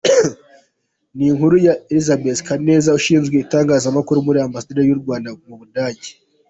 Ni Inkuru ya Elisabeth Kaneza Ushinzwe itangazamakuru muri Ambasade y’u Rwanda mu Budage.